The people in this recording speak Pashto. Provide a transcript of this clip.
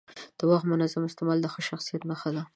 د وخت منظم استعمال د ښه شخصیت نښه ده.